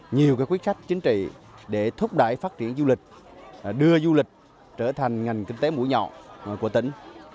nhiều quyết khách chính trị để thúc đẩy phát triển du lịch đưa du lịch trở thành ngành kinh tế mũi nhọn của tỉnh